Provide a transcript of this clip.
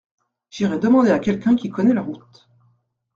J’irai demander à quelqu’un qui connait la route.